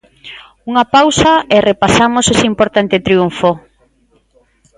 Unha pausa e repasamos ese importante triunfo.